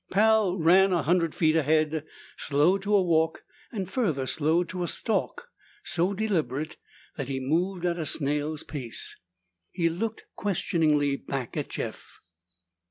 Pal ran a hundred feet ahead, slowed to a walk, and further slowed to a stalk so deliberate that he moved at a snail's pace. He looked questioningly back at Jeff.